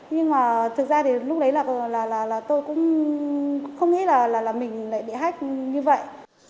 nhưng mà thực ra thì lúc đấy là tôi cũng không nghĩ là mình lại bị hách như vậy